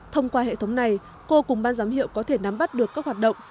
thông qua hệ thống này cô cùng ban giám hiệu có thể nắm bắt được các hoạt động